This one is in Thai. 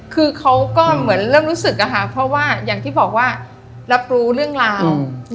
คือเขาก็เหมือนเริ่มรู้สึกอะค่ะเพราะว่าอย่างที่บอกว่ารับรู้เรื่องราว